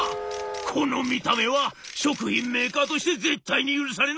この見た目は食品メーカーとして絶対に許されない！